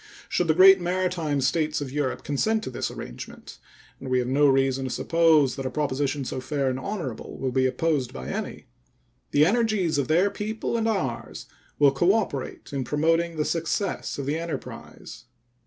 Should the great maritime States of Europe consent to this arrangement (and we have no reason to suppose that a proposition so fair and honorable will be opposed by any), the energies of their people and ours will cooperate in promoting the success of the enterprise.